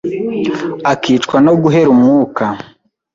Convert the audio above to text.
akicwa no guhera umwuka.